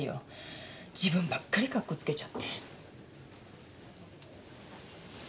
自分ばっかり格好つけちゃって。